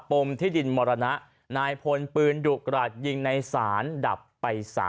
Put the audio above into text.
ปมทิดินมรนะนายพนท์ปืนดุขราชยิงในสารดับไป๓